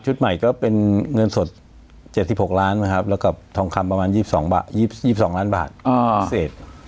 ใหม่ก็เป็นเงินสด๗๖ล้านนะครับแล้วก็ทองคำประมาณ๒๒ล้านบาทพิเศษ